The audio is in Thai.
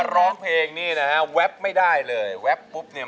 ร้องเข้าให้เร็ว